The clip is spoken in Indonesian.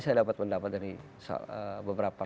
saya dapat pendapat dari beberapa